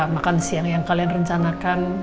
makan siang yang kalian rencanakan